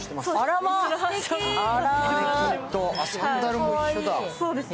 あ、サンダルも一緒だ。